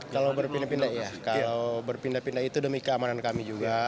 kalau berpindah pindah ya kalau berpindah pindah itu demi keamanan kami juga